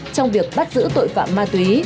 trong việc bắt giữ tội phạm ma túy